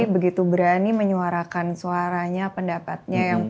begitu berani menyuarakan suaranya pendapatnya